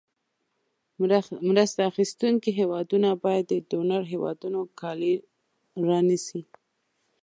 مرسته اخیستونکې هېوادونو باید د ډونر هېوادونو کالي رانیسي.